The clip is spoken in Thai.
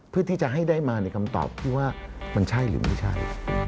เพื่อที่จะให้ได้มาในคำตอบที่ว่ามันใช่หรือไม่ใช่